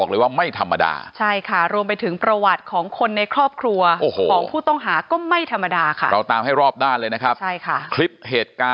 รวมไปถึงประวัติของคนในครอบครัวของผู้ต้องหาก็ไม่ธรรมดาค่ะ